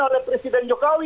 oleh presiden jokowi